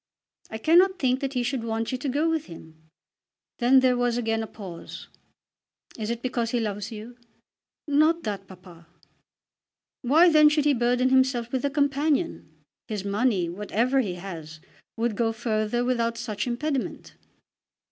"I cannot think that he should want you to go with him." Then there was again a pause. "Is it because he loves you?" "Not that, papa." "Why then should he burden himself with a companion? His money, whatever he has, would go further without such impediment."